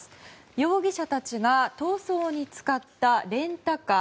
容疑者たちが逃走に使ったレンタカー。